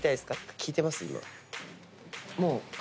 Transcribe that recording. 聞いてます？